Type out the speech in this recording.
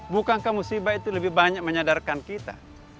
bukankah musibah itu lebih banyak menyadarkan kita